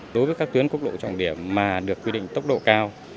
đối với các tuyến quốc lộ trọng điểm mà được quy định tốc độ cao